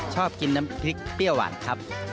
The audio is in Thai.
ชอบกินน้ำพริกเปรี้ยวหวานครับ